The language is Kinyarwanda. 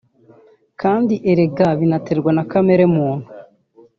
kandi erega binaterwa na kamere muntu”